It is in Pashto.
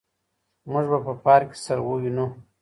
موږ به په پارک کي سره ووينو.